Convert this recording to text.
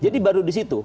jadi baru di situ